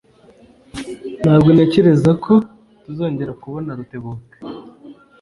Ntabwo ntekereza ko tuzongera kubona Rutebuka.